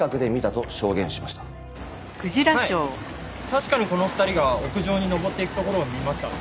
確かにこの２人が屋上に上っていくところを見ました。